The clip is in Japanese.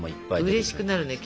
うれしくなるよね